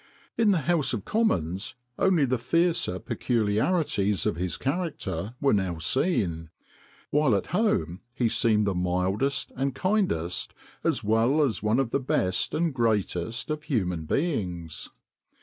In the House of Commons only the fiercer peculiarities of his character were now seen; while at home he seemed the mildest and kindest, as well as one of the best and greatest of human beings.